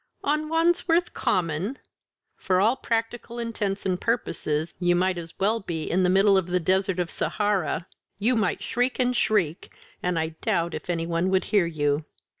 on Wandsworth Common!" "For all practical intents and purposes you might as well be in the middle of the Desert of Sahara; you might shriek and shriek and I doubt if any one would hear you.